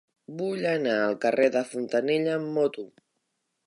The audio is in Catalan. Vull anar al carrer de Fontanella amb moto.